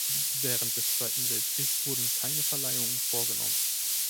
Während des Zweiten Weltkriegs wurden keine Verleihungen vorgenommen.